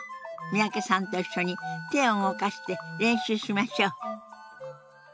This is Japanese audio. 三宅さんと一緒に手を動かして練習しましょう。